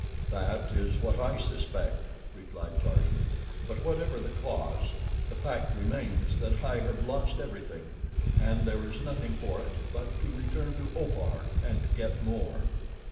"That is what I suspect," replied Tarzan; "but whatever the cause, the fact remains that I have lost everything, and there is nothing for it but to return to Opar and get more."